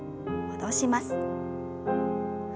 戻します。